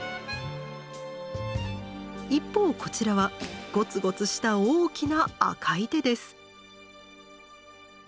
一方こちらはゴツゴツした大きな赤い手です。